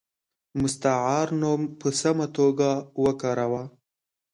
مستعار نوم په سمه توګه وکاروه.